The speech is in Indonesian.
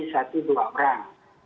satu dua orang